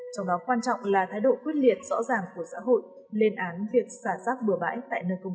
trong đó quan trọng là thái độ quyết liệt rõ ràng của xã hội lên án việc xả rác bừa bãi tại nơi công cộng